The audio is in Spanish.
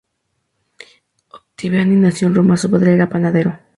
Ottaviani nació en Roma; su padre era panadero.